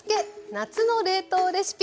夏の冷凍レシピ」。